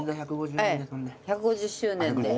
１５０周年で。